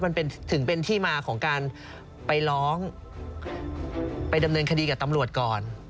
มันถึงเป็นที่มาของการไปร้องไปดำเนินคดีกับตำรวจก่อน